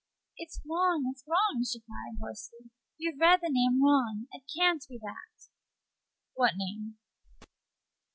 "It's wrong! it's wrong!" she cried, hoarsely; "you've read the wrong name. It can't be that!" "What name?"